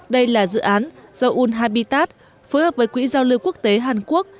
đây là dự án do unhabitat phối hợp với quỹ giao lưu quốc tế hàn quốc